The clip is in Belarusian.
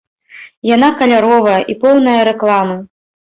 Яна каляровая, і поўная рэкламы.